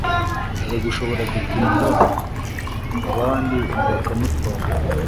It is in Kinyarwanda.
erega ushobora gutinda abandi bakamutwara